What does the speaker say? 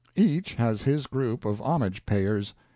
Each has his group of homage payers.